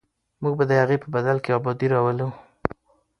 موږ به د هغې په بدل کې ابادي راولو.